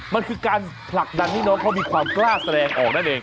มันคือการผลักดันให้น้องเขามีความกล้าแสดงออกนั่นเอง